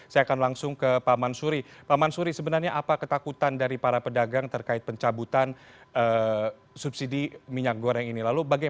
dengan kebijakan yang berubah rubah